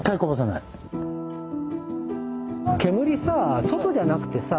煙さ外じゃなくてさ